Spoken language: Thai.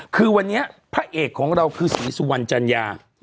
คือวันนี้พระเอกของเราคือศรีสุวรรณจัญญา